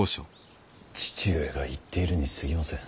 父上が言っているにすぎません。